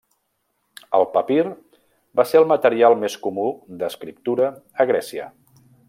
El papir va ser el material més comú d’escriptura a Grècia.